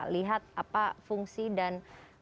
lihat apa fungsi dan